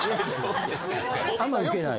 あんまウケない。